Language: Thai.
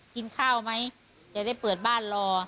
กินข้าวไหมจะได้เปิดบ้านรอ